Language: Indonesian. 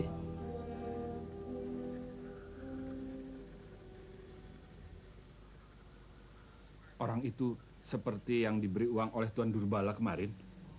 orang itu seperti yang diberi uang oleh tuan durbala kemarin